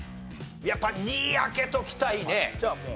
やっぱ２位開けときたいね。